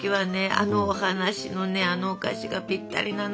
あのお話のあのお菓子がぴったりなのよ。